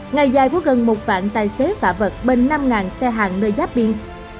ngày dài của gần một vạn tài xế vạ vật bên năm xe hàng nơi giáp biên